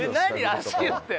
足湯って。